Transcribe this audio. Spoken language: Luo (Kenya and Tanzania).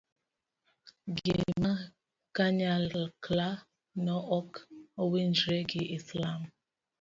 gik ma kanyakla no ok owinjre gi islam